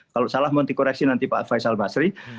kalau salah mau dikoreksi nanti pak faisal basri